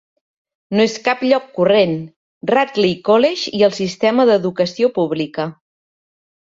No és cap lloc corrent: Radley College i el sistema d'educació pública.